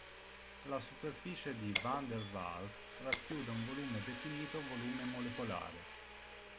La superficie di van der Waals racchiude un volume definito volume molecolare.